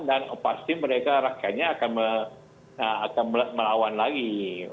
dan pasti mereka rakyatnya akan melawan lagi